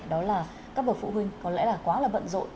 đó là các bậc phụ huynh có lẽ là quá là bận rộn